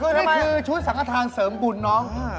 นี่คือชุดสังฆฐานเสริมบุญเนาะ